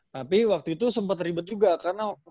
tapi waktu itu sempat ribet juga karena